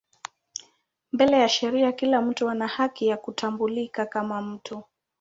Mbele ya sheria kila mtu ana haki ya kutambulika kama mtu.